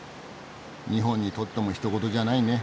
日本にとってもひと事じゃないね。